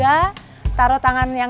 lalu taruh tangannya di belakang